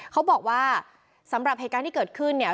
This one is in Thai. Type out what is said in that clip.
เขาบอกว่าสำหรับเหตุการณ์ที่เกิดขึ้นเนี่ย